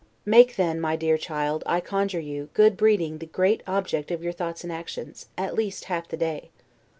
Make then, my dear child, I conjure you, good breeding the great object of your thoughts and actions, at least half the day.